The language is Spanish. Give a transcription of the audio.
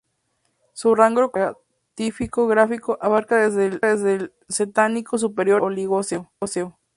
Su rango cronoestratigráfico abarca desde el Cretácico superior hasta el Oligoceno.